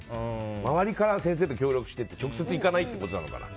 周りから先生と協力して直接いかないということなのかな。